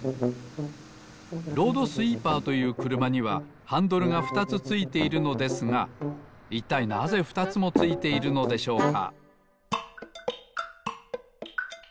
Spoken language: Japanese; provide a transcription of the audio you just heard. ロードスイーパーというくるまにはハンドルがふたつついているのですがいったいなぜふたつもついているのでしょうか？